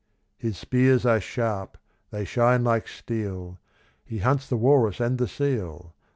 His spears are sharp they shine like steel; He hunts the walrus and the seal.